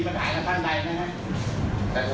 ผมสั่งไว้หนังสือด้วยครับ